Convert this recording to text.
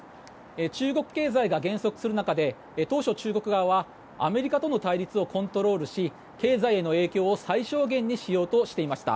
中国経済が減速する中で当初、中国側はアメリカとの対立をコントロールし経済への影響を最小限にしようとしていました。